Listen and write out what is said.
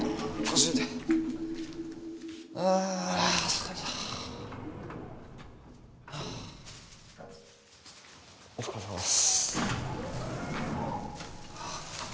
疲れたお疲れさまです